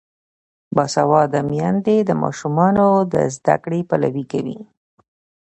باسواده میندې د ماشومانو د زده کړې پلوي کوي.